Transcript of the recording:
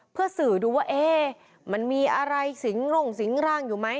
เพื่อสื่อดูว่ามันมีอะไรสิงร่งสิงร่างอยู่ไหม